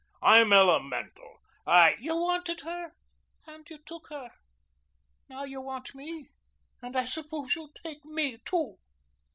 I'm elemental. I " "You wanted her and you took her. Now you want me and I suppose you'll take me too."